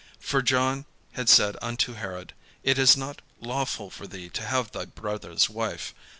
For John had said unto Herod: "It is not lawful for thee to have thy brother's wife."